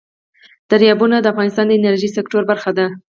دریابونه د افغانستان د انرژۍ سکتور برخه ده.